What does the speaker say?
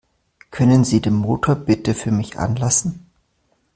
Können Sie den Motor bitte für mich anlassen?